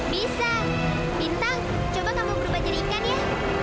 bisa bintang coba kamu berubah jadi ikan ya